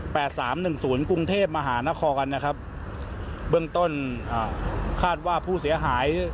สามหนึ่งศูนย์กรุงเทพมหานครนะครับเบื้องต้นอ่าคาดว่าผู้เสียหาย